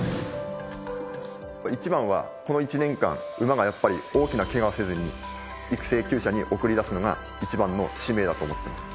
一番はこの１年間馬がやっぱり大きなケガをせずに育成厩舎に送り出すのが一番の使命だと思ってます